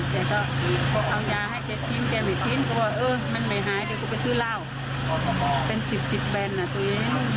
แกอายสำนักนั้นแต่แกก็ว่าคุณไม่ได้เป็นอะไร